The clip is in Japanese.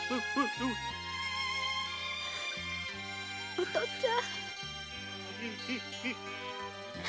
お父っつぁん。